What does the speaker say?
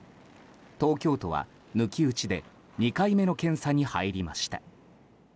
東京都は、抜き打ちで２回目の検査に入りました。